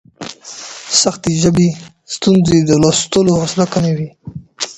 سختې ژبې ستونزې د لوستلو حوصله کموي.